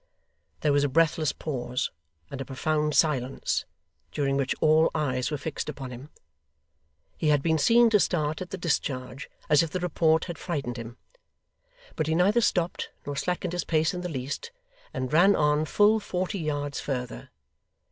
There was a breathless pause and a profound silence, during which all eyes were fixed upon him. He had been seen to start at the discharge, as if the report had frightened him. But he neither stopped nor slackened his pace in the least, and ran on full forty yards further.